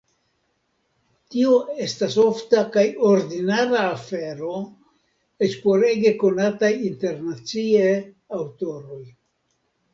Tio estas ofta kaj ordinara afero, eĉ por ege konataj internacie aŭtoroj.